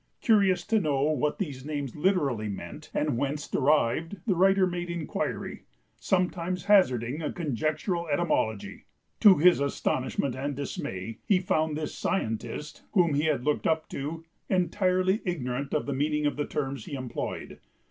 Curious to know what these names literally meant and whence derived, the writer made inquiry, sometimes hazarding a conjectural etymology. To his astonishment and dismay he found this "scientist," whom he had looked up to, entirely ignorant of the meaning of the terms he employed.